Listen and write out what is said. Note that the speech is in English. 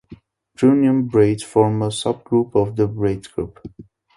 Brunnian braids form a subgroup of the braid group.